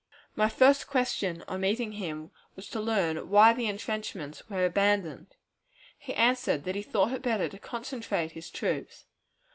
My first question on meeting him was to learn why the intrenchments were abandoned. He answered that he thought it better to concentrate his troops.